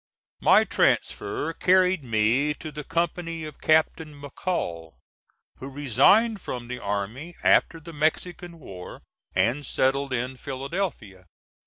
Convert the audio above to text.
My transfer carried me to the company of Captain McCall, who resigned from the army after the Mexican war and settled in Philadelphia.